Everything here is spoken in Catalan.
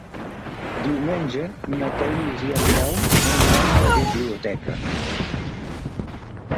Diumenge na Thaís i en Telm aniran a la biblioteca.